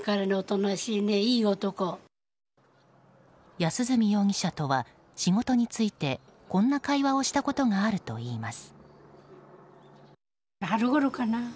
安栖容疑者とは仕事についてこんな会話をしたことがあるといいます。